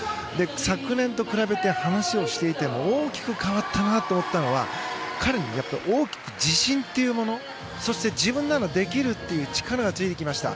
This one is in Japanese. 昨年と比べて、話をしていても大きく変わったなと思ったのは彼の大きく自信というものそして自分ならできるという力がついてきました。